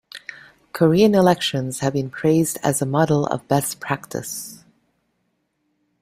Korean elections have been praised as a model of best practice.